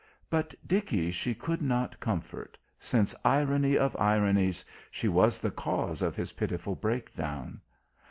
But Dickie she could not comfort, since, irony of ironies, she was the cause of his pitiful breakdown.